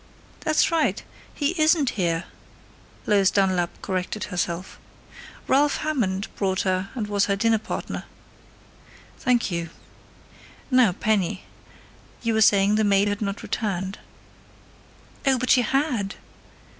"That's right! He isn't here!" Lois Dunlap corrected herself. "Ralph Hammond brought her and was her dinner partner." "Thank you.... Now, Penny. You were saying the maid had not returned." "Oh, but she had!"